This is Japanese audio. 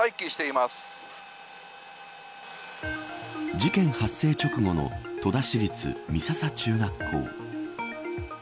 事件発生直後の戸田市立美笹中学校。